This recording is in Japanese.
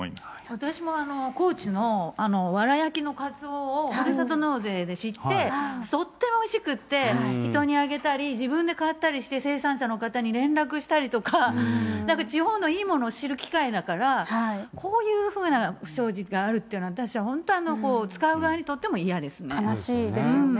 私も高知のわら焼きのカツオをふるさと納税で知って、とってもおいしくって、人にあげたり自分で買ったりして、生産者の方に連絡したりとか、なんか地方のいいものを知る機会だから、こういうふうな不祥事があるっていうのは、私は本当、悲しいですよね。